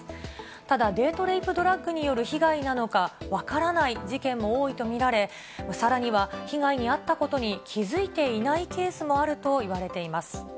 ただ、デート・レイプ・ドラッグによる被害なのか分からない事件も多いと見られ、さらには被害に遭ったことに、気付いていないケースもあるといわれています。